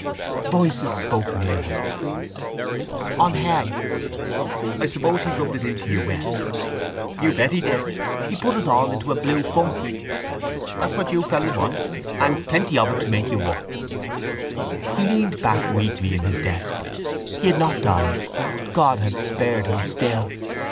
Voices spoke near him: —On hell. —I suppose he rubbed it into you well. —You bet he did. He put us all into a blue funk. —That's what you fellows want: and plenty of it to make you work. He leaned back weakly in his desk. He had not died. God had spared him still.